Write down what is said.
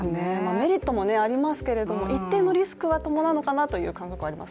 メリットもありますけど一定のリスクは伴うのかなという感じがします